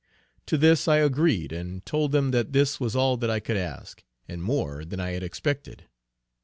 To this I agreed, and told them that this was all that I could ask, and more than I had expected.